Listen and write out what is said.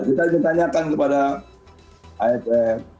kita ditanyakan kepada kff